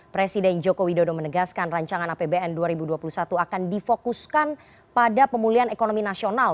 presiden joko widodo menegaskan rancangan apbn dua ribu dua puluh satu akan difokuskan pada pemulihan ekonomi nasional